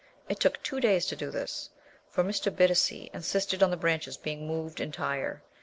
It took two days to do this, for Mr. Bittacy insisted on the branches being moved entire.